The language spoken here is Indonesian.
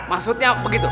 maksudnya apa gitu